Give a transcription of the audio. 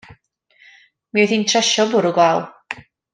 Mi oedd hi'n tresio bwrw glaw.